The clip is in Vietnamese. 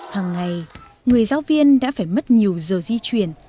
hàng ngày người giáo viên đã phải mất nhiều giờ di chuyển